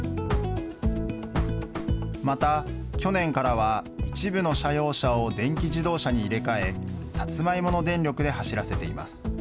また、去年からは一部の社用車を電気自動車に入れ替え、サツマイモの電力で走らせています。